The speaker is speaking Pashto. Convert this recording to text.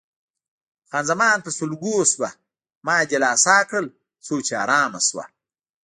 خان زمان په سلګو شوه، ما یې دلاسا کړل څو چې آرامه شوه.